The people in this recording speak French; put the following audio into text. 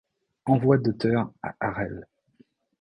Envoi d'auteur à Harel.